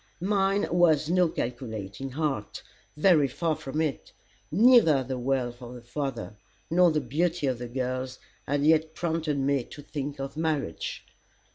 Mine was no calculating heart. Very far from it. Neither the wealth of the father, nor the beauty of the girls, had yet prompted me to think of marriage.